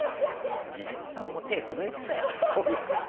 技術さんも手震えてたよ。